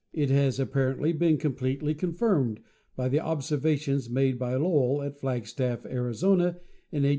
It has apparently been completely con firmed by the observations made by Lowell at Flagstaff, Arizona, in 1895 6.